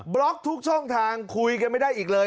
ล็อกทุกช่องทางคุยกันไม่ได้อีกเลย